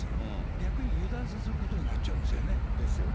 逆に油断させることになっちゃうんですよね。